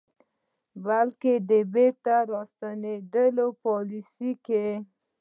بلکې د بیرته راستنېدنې په پالیسیو کې